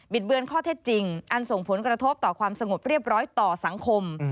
ดเบือนข้อเท็จจริงอันส่งผลกระทบต่อความสงบเรียบร้อยต่อสังคม